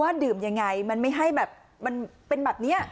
ดื่มยังไงมันไม่ให้แบบมันเป็นแบบนี้